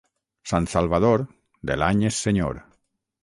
Sant Salvador, de l'any és senyor.